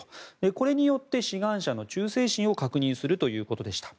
これによって志願者の忠誠心を確認するということでした。